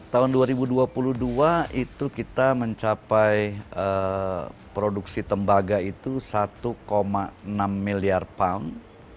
tahun dua ribu dua puluh dua itu kita mencapai produksi tembaga itu satu enam miliar pound